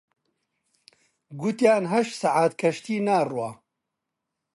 گوتیان هەشت سەعات کەشتی ناڕوا